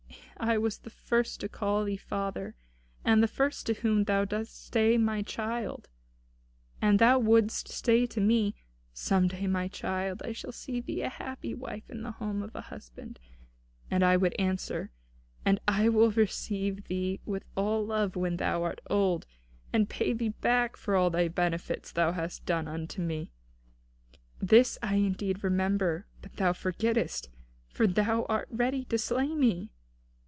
I was the first to call thee father; and the first to whom thou didst say 'my child.' And thou wouldst say to me, 'Some day, my child, I shall see thee a happy wife in the home of a husband.' And I would answer, 'And I will receive thee with all love when thou art old, and pay thee back for all the benefits thou hast done unto me.' This I indeed remember, but thou forgettest; for thou art ready to slay me.